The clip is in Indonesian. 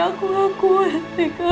aku gak kuat dika